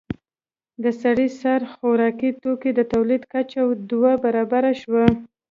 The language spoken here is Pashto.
د سړي سر خوراکي توکو د تولید کچه دوه برابره شوه